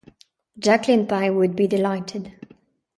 Jacqueline Pye would be delighted.